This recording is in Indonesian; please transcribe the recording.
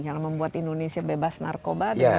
karena membuat indonesia bebas narkoba dengan